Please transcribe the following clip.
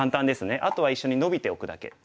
あとは一緒にノビておくだけ。